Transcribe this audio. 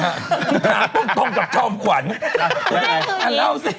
ความตรงต้องกับจอมขวัญมาล่าวสิ